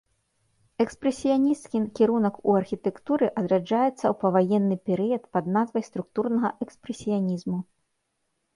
Экспрэсіянісцкі кірунак у архітэктуры адраджаецца ў паваенны перыяд пад назвай структурнага экспрэсіянізму.